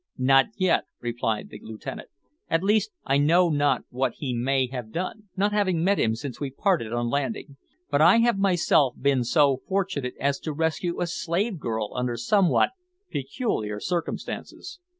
"Not yet," replied the lieutenant; "at least I know not what he may have done, not having met him since we parted on landing; but I have myself been so fortunate as to rescue a slave girl under somewhat peculiar circumstances."